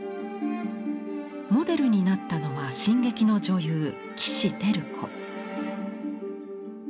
モデルになったのは新劇の女優岸輝子。